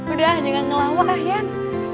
udah jangan ngelawak yan